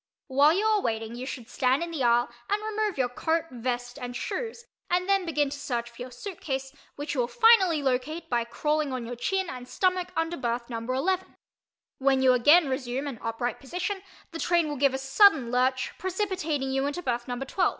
While you are waiting you should stand in the aisle and remove your coat, vest and shoes, and then begin to search for your suitcase which you will finally locate by crawling on your chin and stomach under berth number 11. When you again resume an upright position the train will give a sudden lurch, precipitating you into berth number 12.